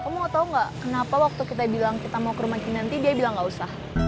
kamu mau tahu nggak kenapa waktu kita bilang kita mau ke rumah kinanti dia bilang gak usah